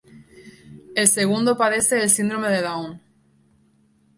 El segundo padece el síndrome de Down.